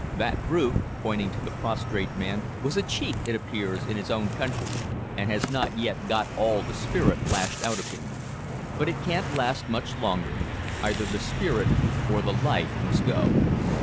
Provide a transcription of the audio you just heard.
"That brute," pointing to the prostrate man, "was a chief, it appears, in his own country, and has not yet got all the spirit lashed out of him. But it can't last much longer; either the spirit or the life must go.